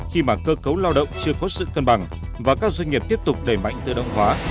khi mà cơ cấu lao động chưa có sự cân bằng và các doanh nghiệp tiếp tục đẩy mạnh tự động hóa